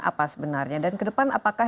apa sebenarnya dan ke depan apakah